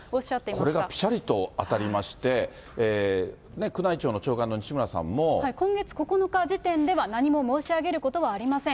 これがぴしゃりと当たりまして、今月９日時点では、何も申し上げることはありません。